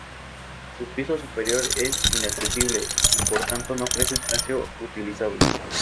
Su piso superior es inaccesible y, por tanto, no ofrece espacio utilizable.